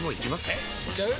えいっちゃう？